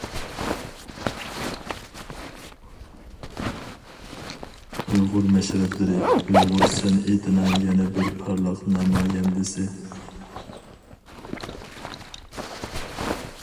ئۇيغۇر مەشرەپلىرى ئۇيغۇر سەنئىتىنىڭ يەنە بىر پارلاق نامايەندىسى.